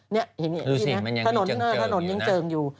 นี่เห็นไหมที่นี่นะถนนยังเจิงอยู่